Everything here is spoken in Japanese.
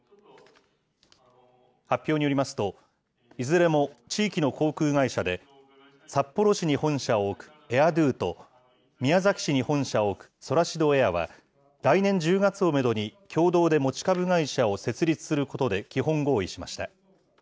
発表によりますと、いずれも地域の航空会社で、札幌市に本社を置くエア・ドゥと、宮崎市に本社を置くソラシドエアは、来年１０月をメドに共同で持ち株会社を設立することで基本合意しました。